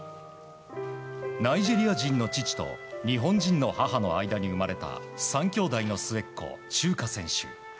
ナイジェリア人の父と日本人の母の間に生まれた３きょうだいの末っ子チューカ選手。